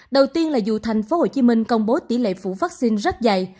đầu tiên là dù thành phố hồ chí minh công bố tỷ lệ phủ vaccine rất dày